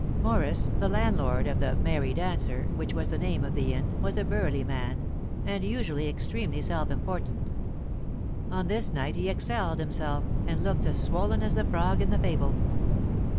Morris, the landlord of "The Merry Dancer" which was the name of the inn was a burly man, and usually extremely self important. On this night he excelled himself, and looked as swollen as the frog in the fable.